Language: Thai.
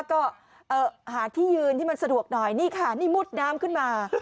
ก็หาที่ยืนที่มันสะดวกหน่อยนี่ค่ะนี่มุดน้ำขึ้นมา